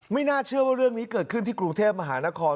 น่าเชื่อว่าเรื่องนี้เกิดขึ้นที่กรุงเทพมหานคร